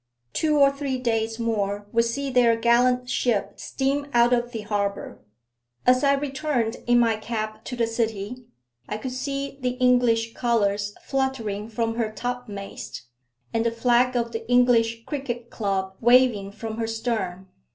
Two or three days more would see their gallant ship steam out of the harbour. As I returned in my cab to the city, I could see the English colours fluttering from her topmast, and the flag of the English cricket club waving from her stern.